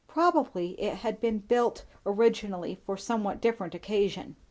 Probably it had been built originally for somewhat different occupation.